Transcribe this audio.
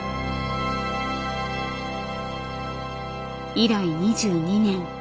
以来２２年。